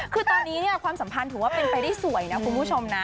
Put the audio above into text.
คือตอนนี้ความสัมพันธ์ถือว่าเป็นไปได้สวยนะคุณผู้ชมนะ